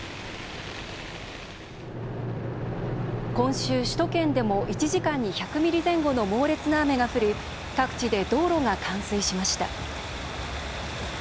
今週、首都圏でも１時間に１００ミリ前後の猛烈な雨が降り各地で道路が冠水しました。